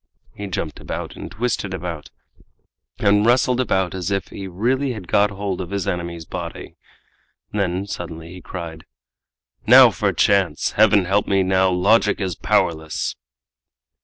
He jumped about, and twisted about, and wrestled about as if he really had got hold of his enemy's body. Then suddenly he cried, "Now for chance! Heaven help me now, logic is powerless!"